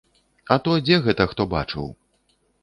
А то дзе гэта хто бачыў!